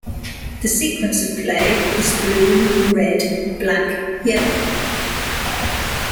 The sequence of play is blue, red, black, yellow.